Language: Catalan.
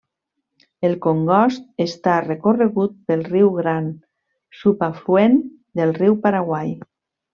El congost està recorregut pel riu Gran, subafluent del riu Paraguai.